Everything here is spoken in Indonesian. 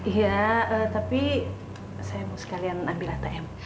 iya tapi saya mau sekalian ambil atm